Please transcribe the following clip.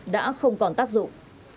đã không còn tác dụng